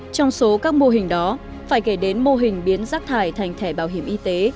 trong số các mô hình đó phải kể đến mô hình biến rác thải thành thẻ bảo hiểm y tế